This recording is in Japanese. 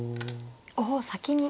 おお先に。